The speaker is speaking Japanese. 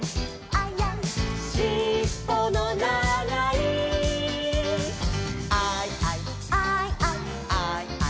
「しっぽのながい」「アイアイ」「」「アイアイ」「」